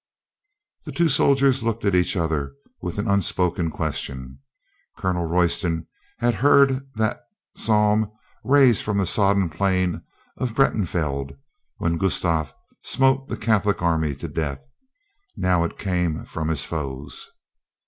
The two soldiers looked at each other with an un spoken question. Colonel Royston had heard that psalm rise from the sodden plain of Breitenfeld when Gustavus smote the Catholic army to death. Now it came from his foes.